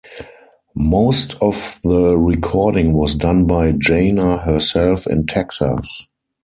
Most of the recording was done by Jana herself in Texas.